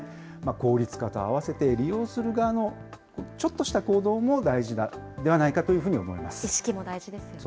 効率化と併せて、利用する側のちょっとした行動も大事ではないか意識も大事ですね。